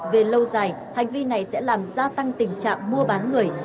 về lâu dài hành vi này sẽ làm gia tăng tình trạng mua bán người